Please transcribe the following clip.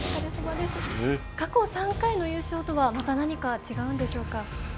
過去３回の優勝とはまた何か違うんでしょうか。